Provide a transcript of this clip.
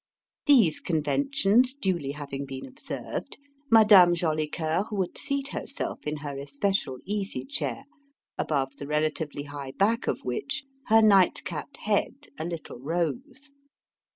These conventions duly having been observed, Madame Jolicoeur would seat herself in her especial easy chair, above the relatively high back of which her night capped head a little rose.